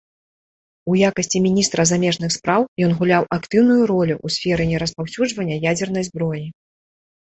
У якасці міністра замежных спраў ён гуляў актыўную ролю ў сферы нераспаўсюджвання ядзернай зброі.